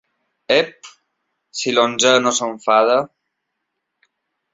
Ep! si l'onzè no s'enfada...